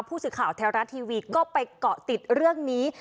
ผู้สื่อข่าวแท้รัฐทีวีก็ไปเกาะติดเรื่องนี้